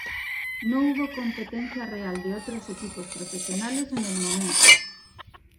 No hubo competencia real de otros equipos profesionales en el momento.